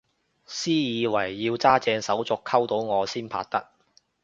私以為要揸正手續溝到我先拍得